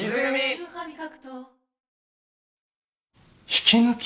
引き抜き？